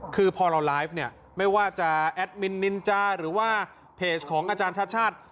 คือพอเราไลฟ์เนี่ยไม่ว่าจะแอดมินนินจาหรือว่าเพจของอาจารย์ชาติชาติ